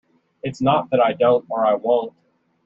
It's not that I don't or I won't.